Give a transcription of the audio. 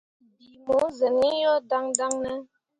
Bii mu zen iŋ yo daŋdaŋ ne ?